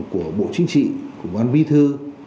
của bộ chính trị của bộ an vi thư